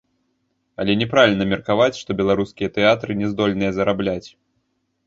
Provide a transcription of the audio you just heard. Але няправільна меркаваць, што беларускія тэатры не здольныя зарабляць.